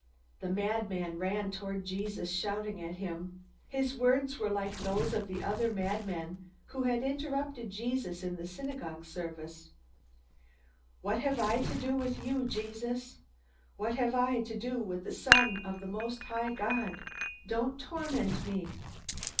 The madman ran toward Jesus, shouting at him. His words were like those of the other madman who had interrupted Jesus in the synagogue service. "What have I to do with you, Jesus? What have I to do with the Son of the most high God? Don't torment me!"